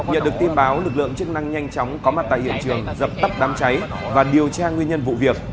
nhận được tin báo lực lượng chức năng nhanh chóng có mặt tại hiện trường dập tắp đám cháy và điều tra nguyên nhân vụ việc